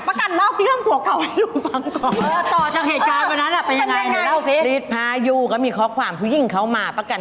กันเล่าเรื่องผัวเก่าให้ลุงฟังก่อน